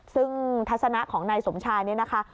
ซึ่งทัศนะของนายสมชายเนี่ยนะคะ